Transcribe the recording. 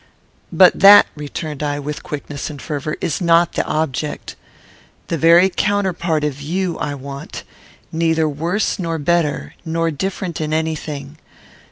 "But that," returned I, with quickness and fervour, "is not the object. The very counterpart of you I want; neither worse nor better, nor different in any thing.